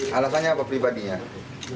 halusannya apa pribadinya